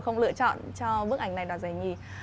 không lựa chọn cho bức ảnh này đoạt giải nhì